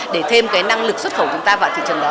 để thêm cái năng lực xuất khẩu chúng ta vào thị trường đó